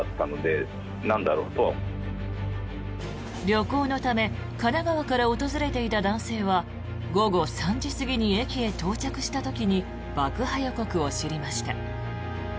旅行のため神奈川から訪れていた男性は午後３時過ぎに駅へ到着した時に爆破予告を知りました。